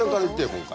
今回。